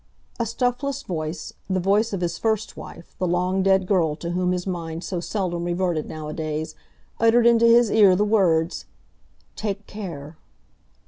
A stuffless voice—the voice of his first wife, the long dead girl to whom his mind so seldom reverted nowadays—uttered into his ear the words, "Take care!"